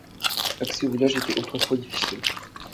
L'accès au village était autrefois difficile.